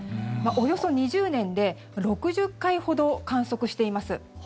およそ２０年で６０回ほど観測しています。